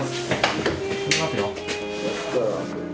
行きますよ。